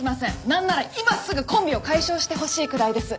なんなら今すぐコンビを解消してほしいくらいです。